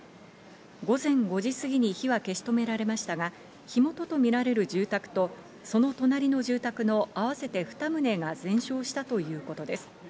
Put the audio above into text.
午前５時過ぎに火は消し止められましたが、火元とみられる住宅と、その隣の住宅のあわせて２棟が全焼したということです。